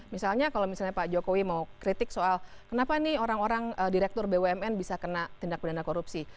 misalnya kalau misalnya pak jokowi mau kritik soal kenapa nih orang orang direktur bumn bisa kena tindak pidana korupsi